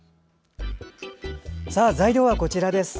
材料は、こちらです。